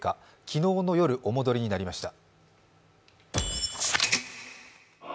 昨日の夜、お戻りになりました。